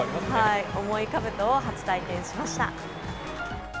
重いかぶとを初体験しました。